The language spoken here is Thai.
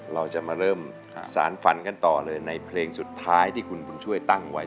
เราจะมาเริ่มสารฝันกันต่อเลยในเพลงสุดท้ายที่คุณบุญช่วยตั้งไว้